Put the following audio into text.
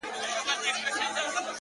o د نوم له سيـتاره دى لـوېـدلى ـ